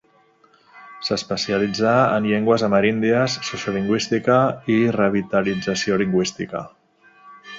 S'especialitzà en llengües ameríndies, sociolingüística, i revitalització lingüística.